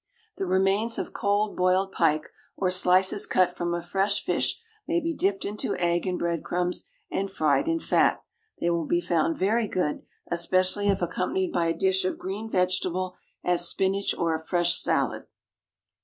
The remains of cold boiled pike, or slices cut from a fresh fish, may be dipped into egg and breadcrumbs and fried in fat. They will be found very good, especially if accompanied by a dish of green vegetable, as spinach, or a fresh salad.